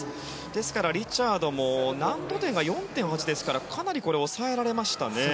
ですからリチャードも難度点が４．８ですからかなり抑えられましたね。